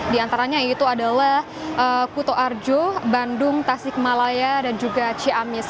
di antaranya itu adalah kutoarjo bandung tasikmalaya dan juga ciamis